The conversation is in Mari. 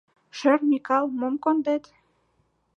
Шӧр Микал, мом кондет?»